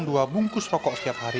dua bungkus rokok setiap hari